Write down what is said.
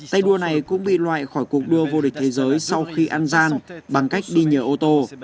tay đua này cũng bị loại khỏi cuộc đua vô địch thế giới sau khi ăn gian bằng cách đi nhờ ô tô